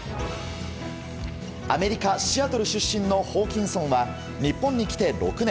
アメリカ・シアトル出身のホーキンソンは日本に来て６年。